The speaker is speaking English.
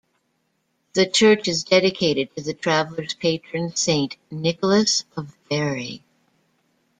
The church is dedicated to the traveller's patron, Saint Nicholas of Bari.